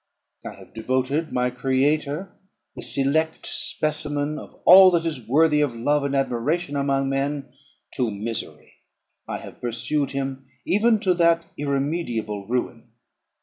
I have devoted my creator, the select specimen of all that is worthy of love and admiration among men, to misery; I have pursued him even to that irremediable ruin.